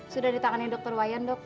sudah ditangani dokter wayan dok